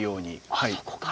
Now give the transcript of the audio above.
あそこから。